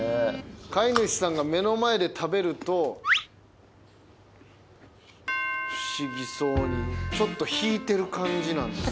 飼い主さんが目の間で食べると不思議そうにちょっと引いてる感じなんですよね。